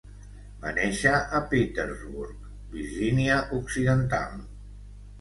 Va néixer a Petersburg, Virgínia Occidental.